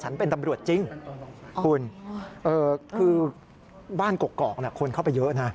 เป็นตำรวจจริงคุณคือบ้านกกอกคนเข้าไปเยอะนะ